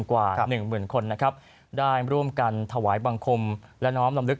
กว่าหนึ่งหมื่นคนนะครับได้ร่วมกันถวายบังคมและน้อมลำลึก